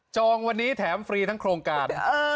องวันนี้แถมฟรีทั้งโครงการ